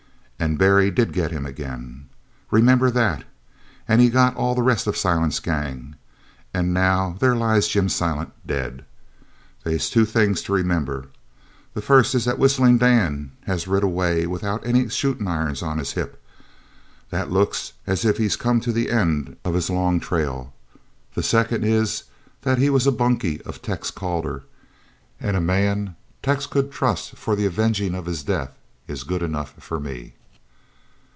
And Barry did get him again. Remember that, and he got all the rest of Silent's gang, and now there lies Jim Silent dead. They's two things to remember. The first is that Whistlin' Dan has rid away without any shootin' irons on his hip. That looks as if he's come to the end of his long trail. The second is that he was a bunkie of Tex Calder, an' a man Tex could trust for the avengin' of his death is good enough for me."